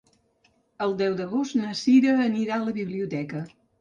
El deu d'agost na Sira anirà a la biblioteca.